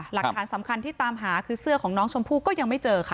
หลักฐานสำคัญที่ตามหาคือเสื้อของน้องชมพู่ก็ยังไม่เจอค่ะ